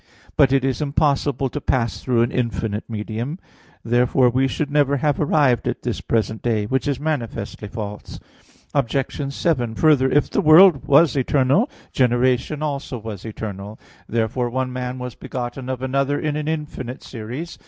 But it is impossible to pass through an infinite medium. Therefore we should never have arrived at this present day; which is manifestly false. Obj. 7: Further, if the world was eternal, generation also was eternal. Therefore one man was begotten of another in an infinite series.